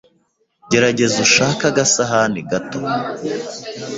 gerageza ushake agasahani gato